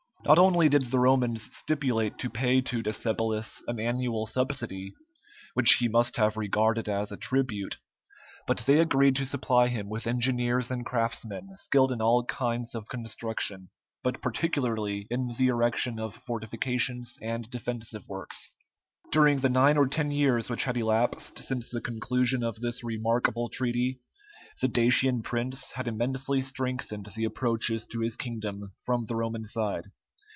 Not only did the Romans stipulate to pay to Decebalus an annual subsidy, which he must have regarded as a tribute, but they agreed to supply him with engineers and craftsmen skilled in all kinds of construction, but particularly in the erection of fortifications and defensive works. During the nine or ten years which had elapsed since the conclusion of this remarkable treaty, the Dacian prince had immensely strengthened the approaches to his kingdom from the Roman side.